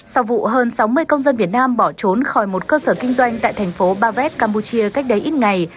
sau vụ hơn sáu mươi công dân việt nam bỏ trốn khỏi một cơ sở kinh doanh tại thành phố bavet campuchia cách đây ít ngày